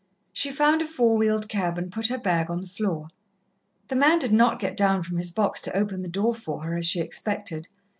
She found a four wheeled cab and put her bag on the floor. The man did not get down from his box to open the door for her, as she expected.